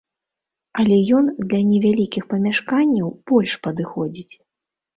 Але ён для невялікіх памяшканняў больш падыходзіць.